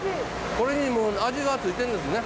これにもう味がついてるんですね。